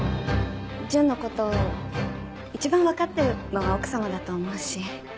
純の事一番わかってるのは奥様だと思うし。